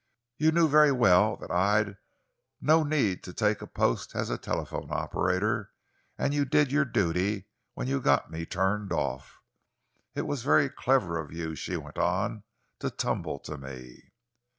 You knew very well that I'd no need to take a post as telephone operator, and you did your duty when you got me turned off. It was very clever of you," she went on, "to tumble to me."